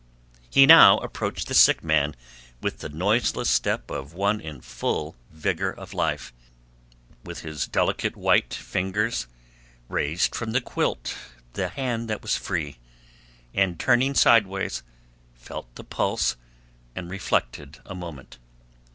He now approached the sick man with the noiseless step of one in full vigor of life, with his delicate white fingers raised from the green quilt the hand that was free, and turning sideways felt the pulse and reflected a moment.